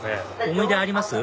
思い出あります？